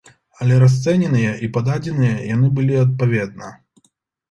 Але расцэненыя і пададзеныя яны былі адпаведна.